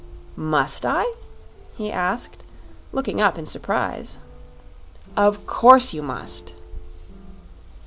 "Must I?" he asked, looking up in surprise. "Of course you must."